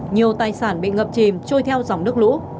nhiều tài sản bị ngập chìm trôi theo dòng nước lũ